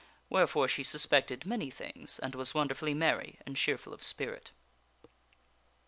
Wherefore she suspected many things, and was wonderfully merry and cheerful of spirit.